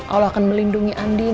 allah akan melindungi andin